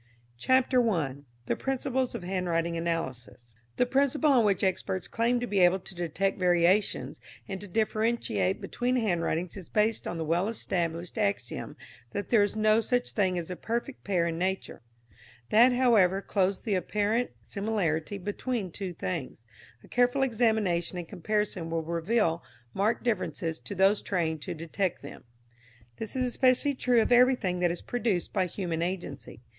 CHAPTER I. THE PRINCIPLES OF HANDWRITING ANALYSIS. The principle on which experts claim to be able to detect variations and to differentiate between handwritings is based on the well established axiom that there is no such thing as a perfect pair in nature; that, however close the apparent similarity between two things, a careful examination and comparison will reveal marked differences to those trained to detect them. This is especially true of everything that is produced by human agency.